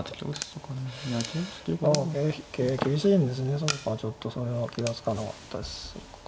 そうかちょっとそれは気が付かなかったです。